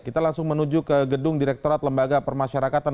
kita langsung menuju ke gedung direktorat lembaga permasyarakatan